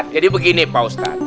jadi begini pak ustadz